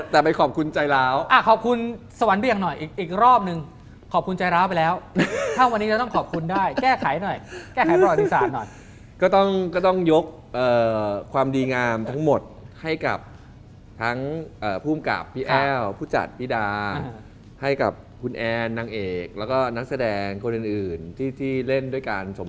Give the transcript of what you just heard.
แต่ประสบการณ์คนดูอาจจะไม่ยืนฝึก